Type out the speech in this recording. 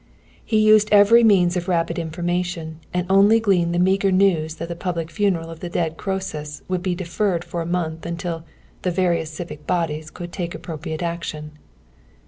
He used every means of rapid information, and only gleaned the meager news that the public funeral of the dead Croesus would be deferred for a month until the "various civic bodies" could "take appropriate action."